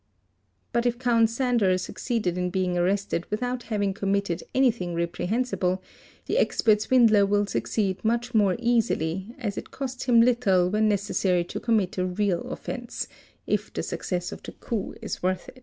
But if Count Sandor succeeded in being arrested without having comimitted any thing reprehensible, the expert swindler will succeed much more easily, as it costs him little when necessary to commit a real offence, if the success of the coup is worth it.